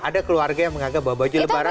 ada keluarga yang menganggap bahwa baju lebaran